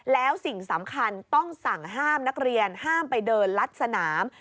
แล้วสิ่งสำคัญต้องสั่งห้ามนักเรียนห้ามไปเดินลัดสนาม